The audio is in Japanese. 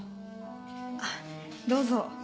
あどうぞ。